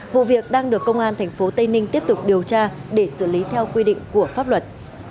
vụ việc đang được công an tp tây ninh tiếp tục điều tra để xử lý theo quy định của pháp luật